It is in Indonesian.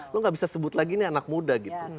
lo gak bisa sebut lagi ini anak muda gitu